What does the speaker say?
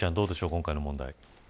今回の問題。